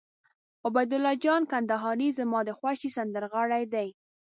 عبیدالله جان کندهاری زما د خوښې سندرغاړی دي.